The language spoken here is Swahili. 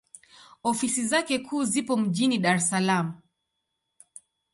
Ofisi zake kuu zipo mjini Dar es Salaam.